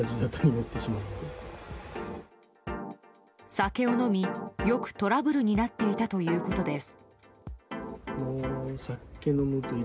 酒を飲み、よくトラブルになっていたということです。